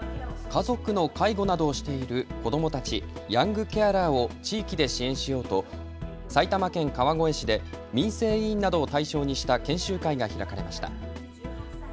家族の介護などをしている子どもたちヤングケアラーを地域で支援しようと埼玉県川越市で民生委員などを対象にした研修会が開かれました。